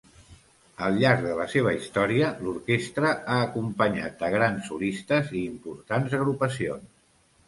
Al llarg de la seva història l'orquestra ha acompanyat a grans solistes i importants agrupacions.